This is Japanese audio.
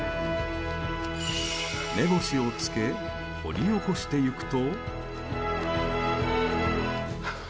目星を付け掘り起こしていくと。